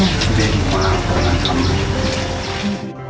ดีมากบางครั้ง